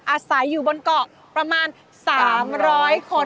อาศัยอยู่บนเกาะประมาณ๓๐๐คน